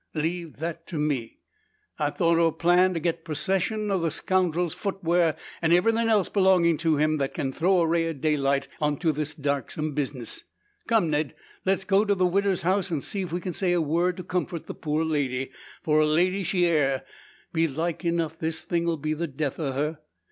"Leave that to me. I've thought o' a plan to git purssession o' the scoundrel's futwear, an' everythin' else belongin' to him that kin throw a ray o' daylight unto this darksome bizness. Come, Ned! Le's go to the widder's house, an' see if we kin say a word to comfort the poor lady for a lady she air. Belike enough this thing'll be the death o' her.